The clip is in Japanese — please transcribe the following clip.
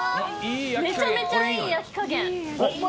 めちゃめちゃいい焼き加減。